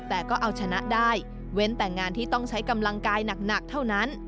แต่ก็เอาชนะได้เว้นแต่งานที่ต้องใช้กำลังกายหนักเท่านั้น